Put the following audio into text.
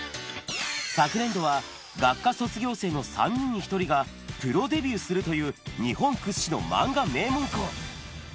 昨年度は学科卒業生の３人に１人がプロデビューするという、日本屈指の漫画名門校。